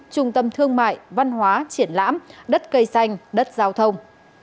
trung tâm thương mại văn hóa triển lãm đất cây xanh đất giao thông